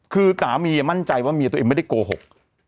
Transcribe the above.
คือสามีมั่นใจว่าเมียตัวเองไม่ได้โกหก